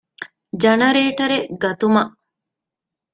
ޖަނަރޭޓަރެއް ގަތުމަށް